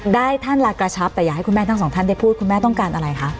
ได้ท่านละกระชับแต่อยากให้คุณแม่ทั้งสองท่านได้พูดคุณแม่ต้องการอะไรคะ